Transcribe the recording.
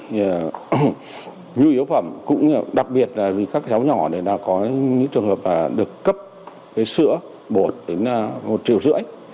các lưu yếu phẩm cũng đặc biệt là các cháu nhỏ thì đã có những trường hợp là được cấp cái sữa bột đến một triệu rưỡi